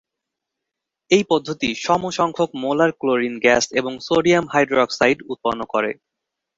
এই পদ্ধতি সম সংখ্যক মোলার ক্লোরিন গ্যাস এবং সোডিয়াম হাইড্রোক্সাইড উৎপন্ন করে।